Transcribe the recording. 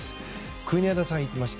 国枝さん言いました。